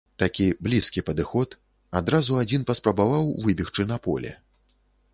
Такі блізкі падыход, адразу адзін паспрабаваў выбегчы на поле.